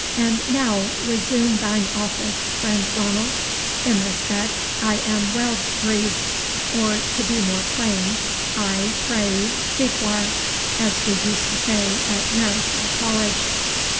And now, resume thine office, friend Ranald, in respect I am well breathed; or, to be more plain, I PRAE, SEQUAR, as we used to say at Mareschal College."